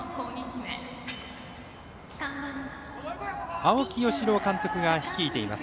青木尚龍監督が率いています。